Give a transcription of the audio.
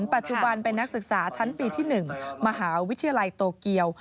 ปัจจุบันเป็นนักศึกษาชั้นปีที่๑มหาวิทยาลัยโตเกียว